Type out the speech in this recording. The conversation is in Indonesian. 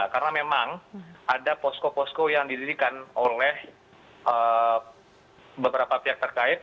karena memang ada posko posko yang didirikan oleh beberapa pihak terkait